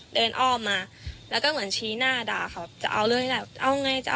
เดินอ้อมมาแล้วจีนหน้าดาว่าจะเอาไงนะ